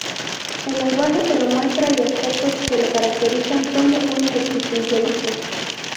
El lenguaje que lo muestra y aspectos que lo caracterizan son de cuño existencialista.